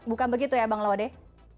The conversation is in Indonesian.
bukan begitu ya bang laude